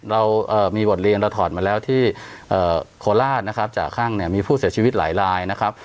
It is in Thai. เรามีบทเรียนเราถอดมาแล้วที่โคราชนะครับจากข้างเนี่ยมีผู้เสียชีวิตหลายลายนะครับ